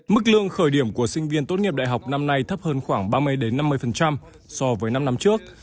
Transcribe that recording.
mức lương khởi điểm của sinh viên tốt nghiệp đại học năm nay thấp hơn khoảng ba mươi năm mươi so với năm năm trước